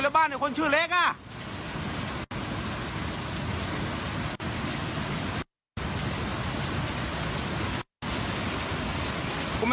แล้วบ้านเนี่ยคนชื่อเล็กอ่ะ